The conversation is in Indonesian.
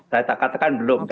saya katakan belum